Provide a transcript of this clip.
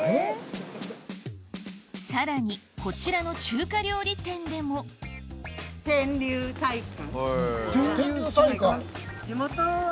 さらにこちらの中華料理店でも天龍菜館。